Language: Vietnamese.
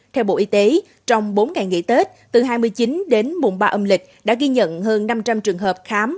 theo bộ y tế trong bốn ngày nghỉ tết từ hai mươi chín đến mùng ba âm lịch đã ghi nhận hơn năm trăm linh trường hợp khám